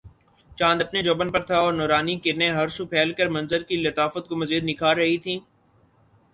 چاند اپنے جوبن پر تھا اور نورانی کرنیں ہر سو پھیل کر منظر کی لطافت کو مزید نکھار رہی تھیں